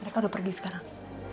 mereka udah pergi sekarang